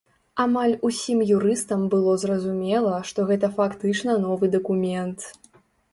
Амаль усім юрыстам было зразумела, што гэта фактычна новы дакумент.